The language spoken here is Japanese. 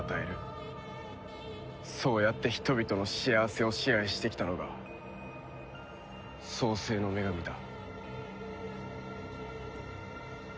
そうやって人々の幸せを支配してきたのが創世の女神だ。